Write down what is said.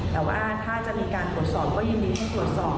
แต่ว่าถ้าจะมีการตรวจสอบก็ยินดีให้ตรวจสอบ